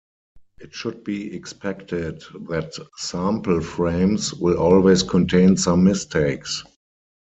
It should be expected that sample frames, will always contain some mistakes.